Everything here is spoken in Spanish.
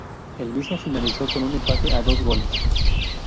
El mismo finalizó con un empate a dos goles.